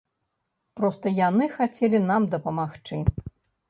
Проста яны хацелі нам дапамагчы.